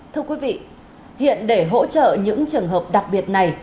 thưa quý vị hiện để hỗ trợ những trường hợp đặc biệt này